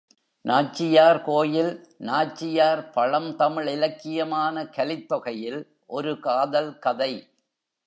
நாச்சியார் கோயில் நாச்சியார் பழந்தமிழ் இலக்கியமான கலித்தொகையில் ஒரு காதல் கதை.